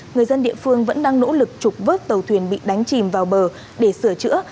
người dân địa phương vẫn đang nỗ lực trục vớt tàu thuyền bị đánh chìm vào bờ để sửa chữa